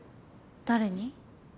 誰に？